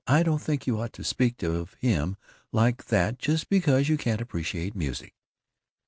I don't think you ought to speak of him like that just because you can't appreciate music!"